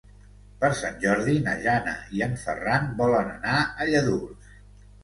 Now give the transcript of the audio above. Per Sant Jordi na Jana i en Ferran volen anar a Lladurs.